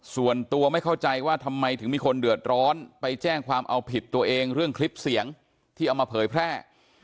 ส่วนตัวไม่เข้าใจว่าทำไมถึงมีคนเดือดร้อนไปแจ้งความเอาผิดตัวเองเรื่องคลิปเสียงที่เอามาเผยแพร่